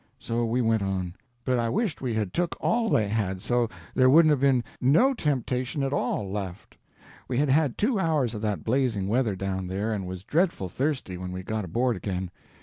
So we went on; but I wished we had took all they had, so there wouldn't 'a' been no temptation at all left. We had had two hours of that blazing weather down there, and was dreadful thirsty when we got aboard again.